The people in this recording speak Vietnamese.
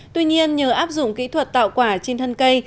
tuy nhiên nhờ áp dụng kỹ thuật tạo quả trên thân cây